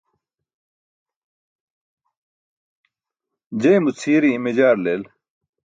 Jeymo cʰii̇re i̇me jaar leel.